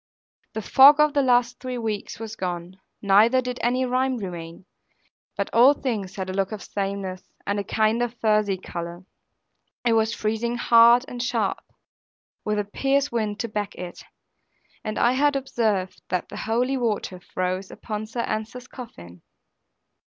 The fog of the last three weeks was gone, neither did any rime remain; but all things had a look of sameness, and a kind of furzy colour. It was freezing hard and sharp, with a piercing wind to back it; and I had observed that the holy water froze upon Sir Ensor's coffin.